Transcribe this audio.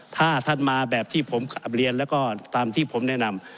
ถ้าท่านมาแบบที่ผมกลับเรียนแล้วก็ตามที่ผมแนะนำ